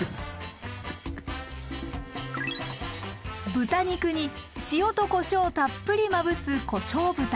豚肉に塩とこしょうをたっぷりまぶす「こしょう豚」。